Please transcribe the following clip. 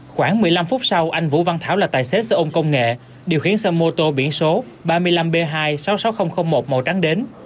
khoảng một mươi năm phút sau anh vũ văn thảo là tài xế xe ôn công nghệ điều khiển xe mô tô biển số ba mươi năm b hai sáu mươi sáu nghìn một màu trắng đến